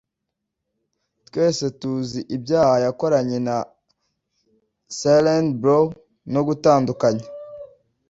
twese tuzi ibyaha yakoranye na clyde barrow no gutandukanya